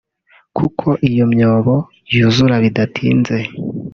kuko iyo myobo yuzura bidatinze